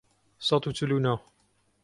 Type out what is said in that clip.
سەد و چل و نۆ